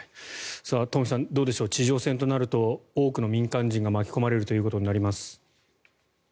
東輝さん、どうでしょう地上戦となると多くの民間人が巻き込まれることになります。